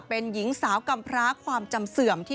เป็นหญิงสาวกำพร้าความจำเสื่อมที่